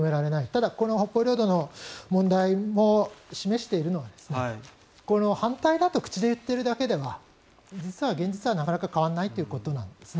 ただこの北方領土の問題も示しているのは反対だと口で言っているだけでは実は現実はなかなか変わらないということです。